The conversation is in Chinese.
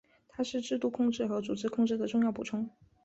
它是制度控制和组织控制的重要补充。